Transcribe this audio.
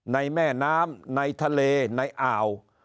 แม่น้ำในทะเลในอ่าว